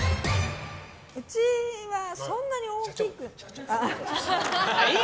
うちはそんなに大きく。